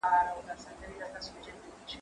زه اجازه لرم چي سپينکۍ پرېولم